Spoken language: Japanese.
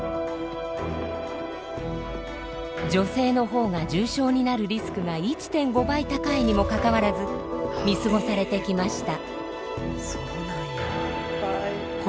女性の方が重傷になるリスクが１．５倍高いにもかかわらず見過ごされてきました。